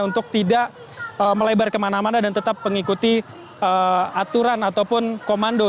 untuk tidak melebar kemana mana dan tetap mengikuti aturan ataupun komando